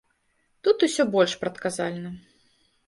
Тут усё больш прадказальна.